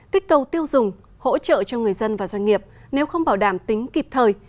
kích cầu tiêu dùng hỗ trợ cho người dân và doanh nghiệp nếu không bảo đảm tính kịp thời